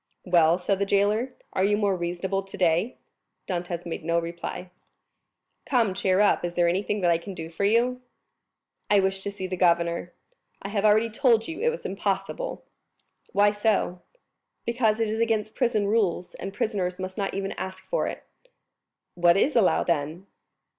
"Well," said the jailer, "are you more reasonable today?" Dantès made no reply. "Come, cheer up; is there anything that I can do for you?" "I wish to see the governor." "I have already told you it was impossible." "Why so?" "Because it is against prison rules, and prisoners must not even ask for it." "What is allowed, then?"